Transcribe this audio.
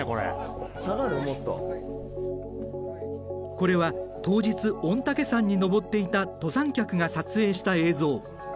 これは当日御嶽山に登っていた登山客が撮影した映像。